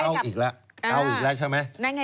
เอาอีกแล้วเอาอีกแล้วใช่ไหม